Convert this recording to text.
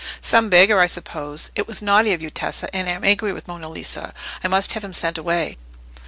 "Some beggar, I suppose. It was naughty of you, Tessa, and I am angry with Monna Lisa. I must have him sent away."